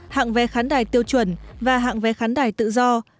hạng vé khán đài tiêu chuẩn và hạng vé khán đài tự do